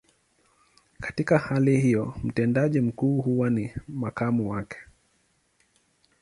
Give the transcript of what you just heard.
Katika hali hiyo, mtendaji mkuu huwa ni makamu wake.